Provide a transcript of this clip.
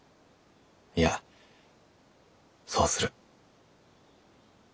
いやそうする。